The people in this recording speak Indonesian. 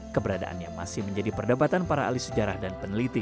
keberadaannya masih menjadi perdebatan para alis sejarah dan penelitian